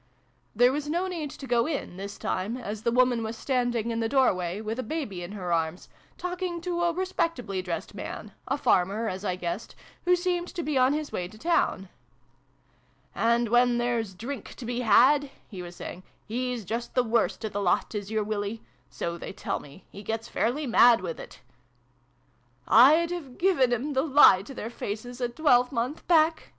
There was no need to go in, this time, as the woman was standing in the doorway, with a baby in her arms, talking to a respectably dressed man a farmer, as I guessed who seemed to be on his way to the town. and when there's drink to be had," he was saying, " he's just the worst o' the lot, is your Willie. So they tell me. He gets fairly mad wi' it !" "I'd have given 'em the lie to their faces, a twelvemonth back